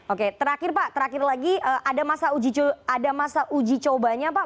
oke terakhir pak terakhir lagi ada masa uji cobanya pak